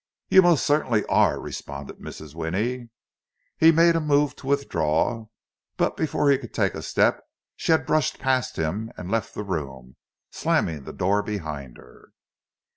"You most certainly are," responded Mrs. Winnie. He made a move to withdraw; but before he could take a step, she had brushed past him and left the room, slamming the door behind her.